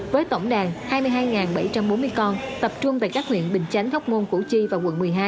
với tổng đàn hai mươi hai bảy trăm bốn mươi con tập trung tại các huyện bình chánh hóc môn củ chi và quận một mươi hai